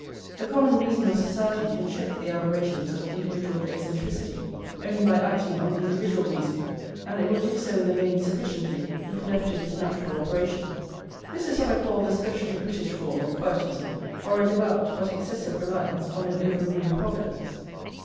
The common reason of society can check the aberrations of individual eccentricity only by acting on the individual reason; and it will do so in the main sufficiently, if left to this natural operation." This is what I call the specially British form of Quietism, or a devout, but excessive, reliance on an over ruling Providence.